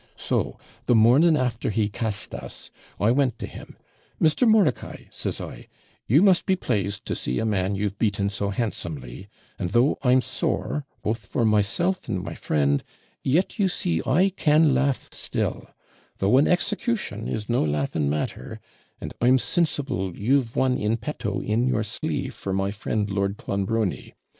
So, the morning after he cast us, I went to him: "Mr. Mordicai," says I, "you must be PLASED to see a man you've beaten so handsomely; and though I'm sore, both for myself and my friend, yet you see I can laugh still; though an execution is no laughing matter, and I'm sinsible you've one in petto in your sleeve for my friend Lord Clonbrony.